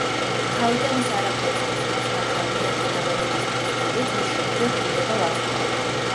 თავიდან ის არაფერს გრძნობს, მაგრამ მეათე დაბადების დღის დილით მის შუბლზე ჩნდება ვარსკვლავი.